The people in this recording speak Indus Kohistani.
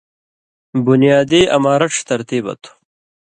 بُنیادی اما رڇھہۡ ترتیبہ تھو۔